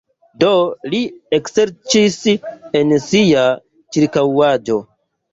Do li ekserĉis en sia ĉirkaŭaĵo.